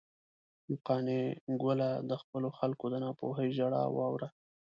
نو قانع ګله، د خپلو خلکو د ناپوهۍ ژړا واوره.